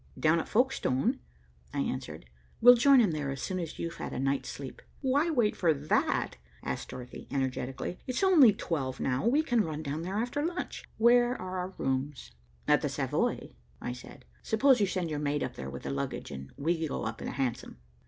"Down at Folkestone," I answered. "We'll join him there as soon as you've had a night's sleep." "Why wait for that?" asked Dorothy energetically. "It's only twelve now. We can run down there after lunch. Where are our rooms?" "At the Savoy," I said. "Suppose you send your maid up there with the luggage, and we go up in a hansom."